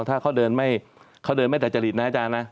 ถ้าเขาเดินไม่แต่จริตนะอาจารย์นะ